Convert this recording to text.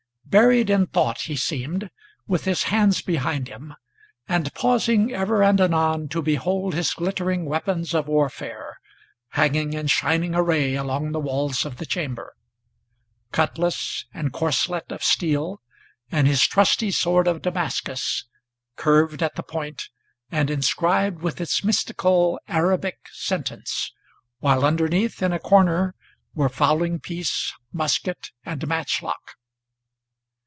Buried in thought he seemed, with his hands behind him, and pausing Ever and anon to behold his glittering weapons of warfare, Hanging in shining array along the walls of the chamber, Cutlass and corselet of steel, and his trusty sword of Damascus, Curved at the point and inscribed with its mystical Arabic sentence, While underneath, in a corner, were fowling piece, musket, and matchlock.